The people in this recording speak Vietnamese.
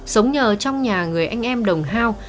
sống nhờ trong nhà người anh em đồng hao